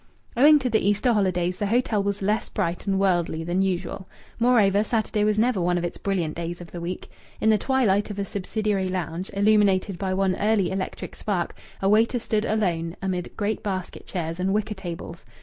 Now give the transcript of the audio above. Owing to the Easter holidays the hotel was less bright and worldly than usual. Moreover, Saturday was never one of its brilliant days of the week. In the twilight of a subsidiary lounge, illuminated by one early electric spark, a waiter stood alone amid great basket chairs and wicker tables.